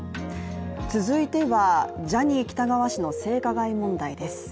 続いては、ジャニー喜多川氏の性加害問題です。